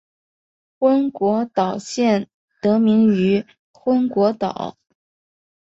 昏果岛县得名于昏果岛。